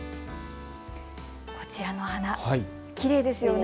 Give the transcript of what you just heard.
こちらの花、きれいですよね。